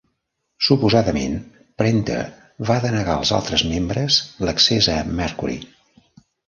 Suposadament, Prenter va denegar als altres membres l'accés a Mercury.